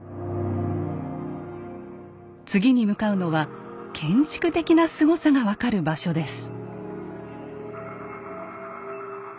次に向かうのは建築的なすごさが分かる場所です。